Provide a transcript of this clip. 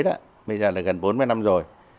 bây giờ là gần bốn mươi năm rồi